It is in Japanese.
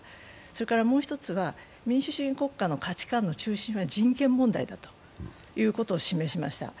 それからもう１つは、民主主義国家の価値観の中心は人権問題だということを示しました。